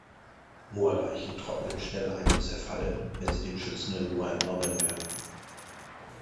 Moorleichen trocknen schnell ein und zerfallen, wenn sie dem schützenden Moor entnommen werden.